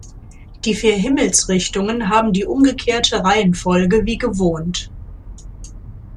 Die vier Himmelsrichtungen haben die umgekehrte Reihenfolge wie gewohnt.